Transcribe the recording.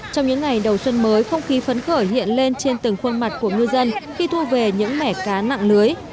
trong những ngày đầu xuân mới không khí phấn khởi hiện lên trên từng khuôn mặt của ngư dân khi thu về những mẻ cá nặng lưới